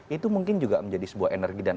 itu mungkin juga menjadi sebuah energi dan